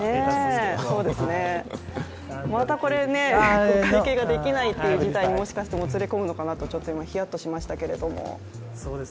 またこれ、お会計ができないっていう事態にもしかしたらもつれ込むのかなというちょっと今、ヒヤッとしましたけど。